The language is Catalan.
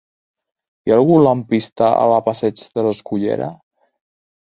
Hi ha algun lampista a la passeig de l'Escullera?